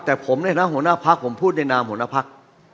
แต่ผมเนี่ยนะหัวหน้าพรรคผมพูดในนามหัวหน้าพรรค